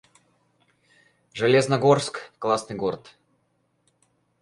Железногорск — классный город